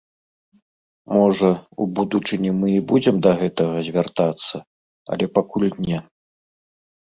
Можа, у будучыні мы і будзем да гэтага звяртацца, але пакуль не.